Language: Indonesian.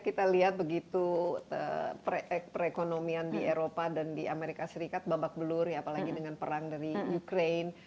kita lihat begitu perekonomian di eropa dan di amerika serikat babak belur ya apalagi dengan perang dari ukraine